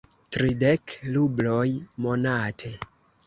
Tridek rubloj monate.